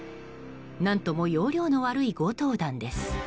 何とも要領の悪い強盗団です。